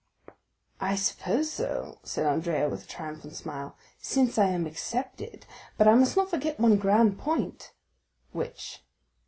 "I suppose so," said Andrea with a triumphant smile, "since I am accepted. But I must not forget one grand point." "Which?"